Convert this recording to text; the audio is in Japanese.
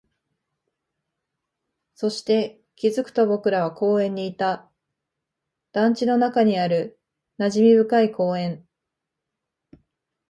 そして、気づくと僕らは公園にいた、団地の中にある馴染み深い公園